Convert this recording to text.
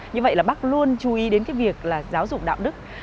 như vậy là bác luôn chú ý đến cái việc là giáo dục đạo đức